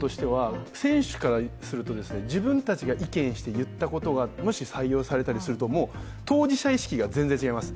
選手たちからすると、自分たちが意見していったことが、もし採用されたりすると当事者意識が全然違います。